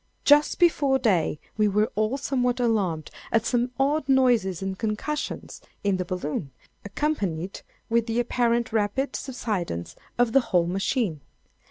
Just before day, we were all somewhat alarmed at some odd noises and concussions in the balloon, accompanied with the apparent rapid subsidence of the whole machine.